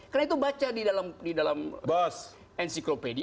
karena itu baca di dalam enciklopedi